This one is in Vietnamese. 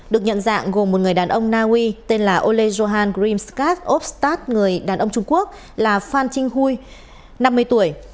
được nhận dạng gồm một người đàn ông naui tên là ole johan grimsgat obstad người đàn ông trung quốc là fan qinghui năm mươi tuổi